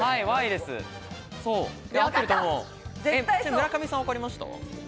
村上さん分かりました？